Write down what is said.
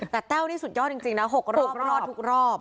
แต่แต้วนี่สุดยอดจริงนะ๖รอบรอดทุกรอบ